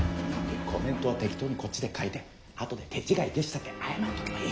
コメントは適当にこっちで書いて後で「手違いでした」って謝っとけばいい。